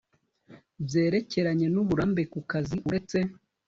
Byerekeranye n uburambe ku kazi uretse